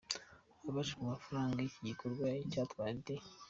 Abajijwe amafaranga iki gikorwa cyatwaye, Dr.